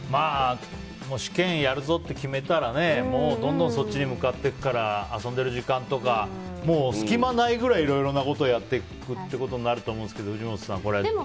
試験やるぞって決めたらねどんどんそっちに向かっていくから遊んでる時間とかもう隙間がないぐらいいろいろなことをやっていくってことになると思うんですけど藤本さん、これは。